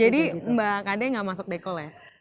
jadi mbak kade gak masuk dekol ya